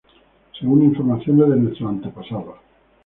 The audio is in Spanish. Según informaciones de nuestros antepasados.